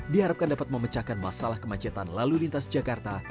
diharapkan dapat memecahkan masalah kemacetan lalu lintas jakarta